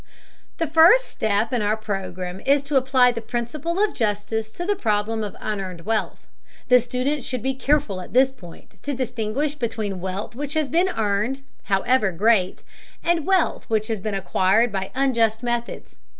The first step in our program is to apply the principle of justice to the problem of unearned wealth. The student should be careful at this point to distinguish between wealth which has been earned, however great, and wealth which has been acquired by unjust methods.